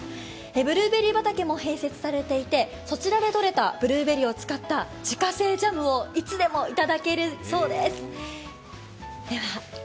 ブルーベリー畑も併設されていて、そちらで取れたブルーベリーを使った自家製ジャムをいつでも頂けるそうです。